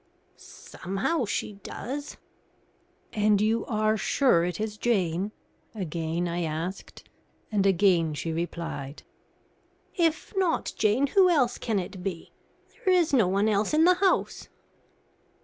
"Somehow she does." "And you are sure it is Jane?" again I asked; and again she replied: "If not Jane, who else can it be? There is no one else in the house."